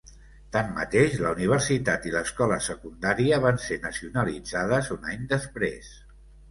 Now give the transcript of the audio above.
Tanmateix, la universitat i l'escola secundària van ser nacionalitzades un any després.